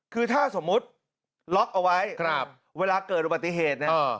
คือถ้าสมมุติล็อคเอาไว้เวลาเกิดปฏิเหตุ